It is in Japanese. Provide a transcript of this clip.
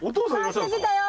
帰ってきたよ。